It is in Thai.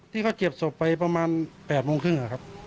ที่เขาเก็บศพไปประมาณ๘โมงครึ่งครับ